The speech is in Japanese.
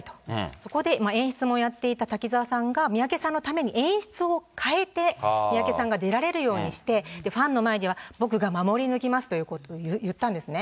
そこで、演出もやっていた滝沢さんが、三宅さんのために演出を変えて、三宅さんが出られるようにして、ファンの前では僕が守り抜きますということを言ったんですね。